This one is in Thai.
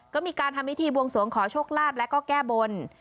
ก็มีการทำพิธีบวงสวงขอโชคลาภแล้วก็แก้บน